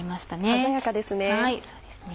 鮮やかですね。